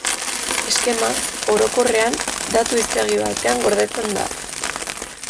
Eskema, orokorrean, datu-hiztegi batean gordetzen da.